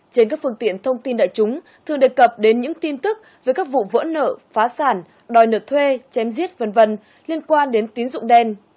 trên các phương tiện thông tin đại chúng thường đề cập đến những tin tức về các vụ vỡ nợ phá sản đòi nợ thuê chém giết v v liên quan đến tín dụng đen